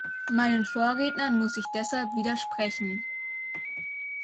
Meinen Vorrednern muss ich deshalb widersprechen.